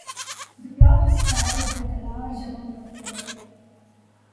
The plot is padded with a large amount of filler.